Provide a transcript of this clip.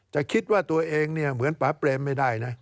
จะคิดว่าตัวเองเนี่ยเหมือนป๊าเปรมไม่ได้นะ